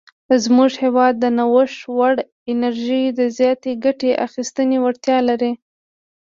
زموږ هیواد د نوښت وړ انرژیو د زیاتې ګټې اخیستنې وړتیا لري.